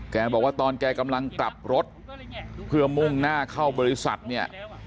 แกบอกว่าตอนแกกำลังกลับรถเพื่อมุ่งหน้าเข้าบริษัทเนี่ย